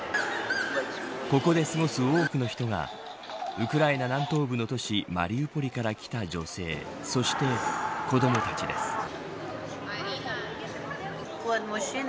ここで過ごす多くの人がウクライナ南東部の都市マリウポリから来た女性そして、子どもたちです。